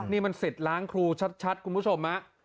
นี่มันสิทธิ์ล้างครูชัดคุณผู้ชมฮะ